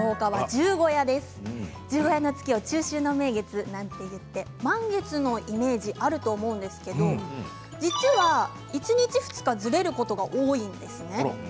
十五夜の月は中秋の名月なんていって満月のイメージあると思うんですけど実は、１日２日ずれることが多いんです。